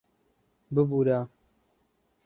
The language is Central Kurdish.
ببوورە...